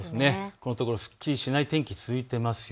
このところすっきりしない天気が続いています。